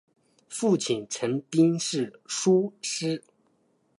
父亲陈彬是塾师。